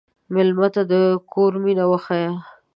مېلمه ته د کور مینه وښیه.